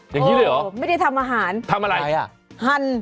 อย่างนี้เลยเหรอไม่ได้ทำอาหารทำอะไรอ่ะ